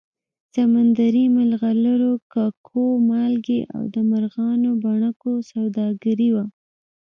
سمندري مرغلرو، ککو، مالګې او د مرغانو بڼکو سوداګري وه